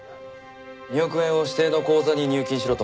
２億円を指定の口座に入金しろと。